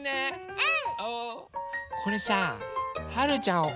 うん！